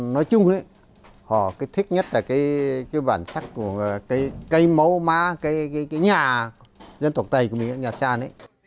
nói chung họ thích nhất là bản sắc của cây máu má nhà dân tộc tày nhà sàn